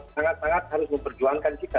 sangat sangat harus memperjuangkan kita